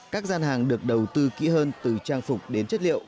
các gian hàng được đầu tư kỹ hơn từ trang phục đến chất liệu